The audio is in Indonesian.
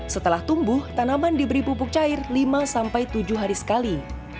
setelah tumbuh tanaman diberi pupuk cair lima sampai tujuh hari sekali